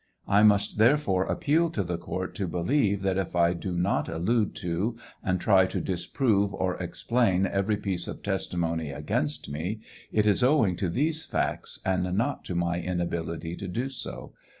I must therefore appeal to the court to believe, that if I do not allude to and try to disprove or explain every piece of testimony against me, it is owing to these facts, and not to my inability to do so.